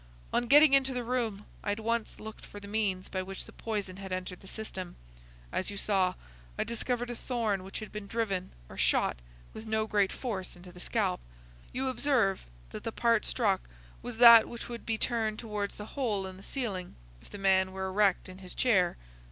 On getting into the room I at once looked for the means by which the poison had entered the system. As you saw, I discovered a thorn which had been driven or shot with no great force into the scalp. You observe that the part struck was that which would be turned towards the hole in the ceiling if the man were erect in his chair.